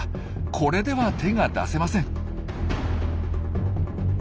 これでは手が出せません。